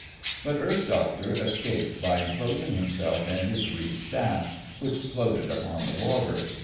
But Earth Doctor escaped by enclosing himself in his reed staff, which floated upon the water.